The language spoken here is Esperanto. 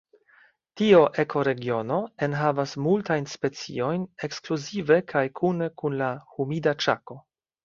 Tiu ekoregiono enhavas multajn speciojn ekskluzive kaj kune kun la Humida Ĉako.